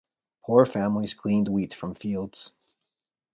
Poor families gleaned wheat from fields.